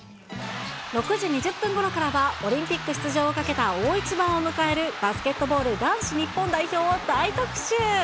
６時２０分ごろからは、オリンピック出場をかけた大一番を迎えるバスケットボール男子日本代表を大特集。